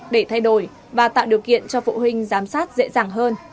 để thay đổi và tạo điều kiện cho phụ huynh giám sát dễ dàng hơn